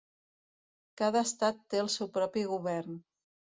Cada estat té el seu propi govern.